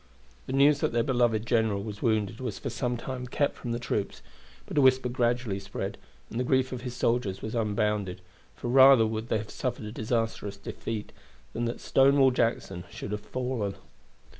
The news that their beloved general was wounded was for some time kept from the troops; but a whisper gradually spread, and the grief of his soldiers was unbounded, for rather would they have suffered a disastrous defeat than that Stonewall Jackson should have fallen.